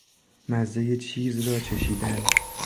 مزه چیز را چشیدن